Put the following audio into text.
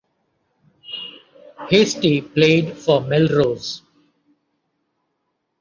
Hastie played for Melrose.